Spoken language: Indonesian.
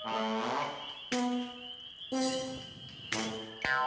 aku juga nggak tau